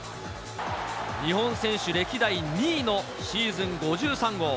日本選手歴代２位のシーズン５３号。